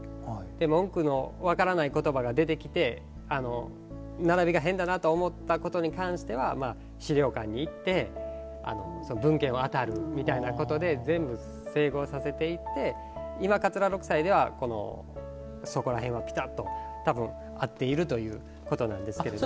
文句の分からない言葉が出てきて並びが変だなと思ったことに関しては資料館に行って文献を当たるみたいなことで全部整合させていって今、桂六斎ではこのそこら辺はぴたっと多分、合っているということなんですけれども。